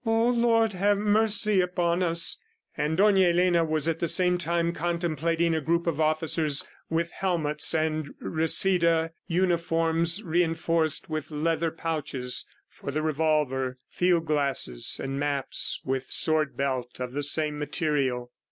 "O Lord have mercy upon us!" ... and Dona Elena was at the same time contemplating a group of officers with helmets and reseda uniforms reinforced with leather pouches for the revolver, field glasses and maps, with sword belt of the same material.